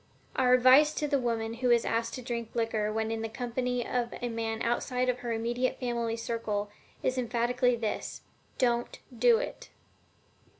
Our advice to the woman who is asked to drink liquor when in the company of a man outside of her immediate family circle is emphatically this: DON'T DO IT!